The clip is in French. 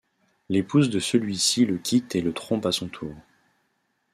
L'épouse de celui-ci le quitte et le trompe à son tour.